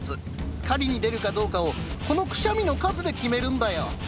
狩りに出るかどうかをこのクシャミの数で決めるんだよ。